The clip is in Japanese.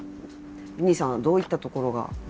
ビニさんどういったところが。